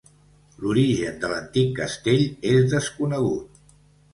L'origen de l'antic castell és desconegut.